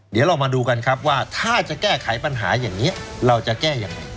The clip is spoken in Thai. เดี๋ยวเรามาดูกันครับว่าถ้าจะแก้ไขปัญหาอย่างนี้เราจะแก้ยังไง